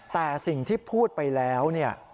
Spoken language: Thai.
แต่สิ่งที่พูดไปแล้ว